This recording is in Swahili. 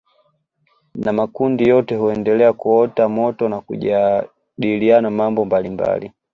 Na makundi yote huendelea kuota moto na kujadiliana mambo mbalimbali